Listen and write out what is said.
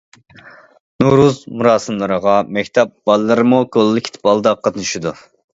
« نورۇز» مۇراسىملىرىغا مەكتەپ بالىلىرىمۇ كوللېكتىپ ھالدا قاتنىشىدۇ.